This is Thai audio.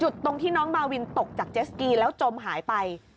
ตรงที่น้องมาวินตกจากเจสกีแล้วจมหายไป